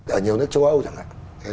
ở nhiều nước châu âu chẳng hạn